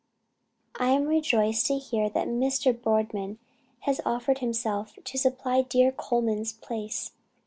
"I am rejoiced to hear that Mr. Boardman has offered himself to supply dear Colman's place.